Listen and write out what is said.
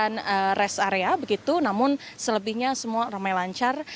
namun selebihnya semua ramai lancar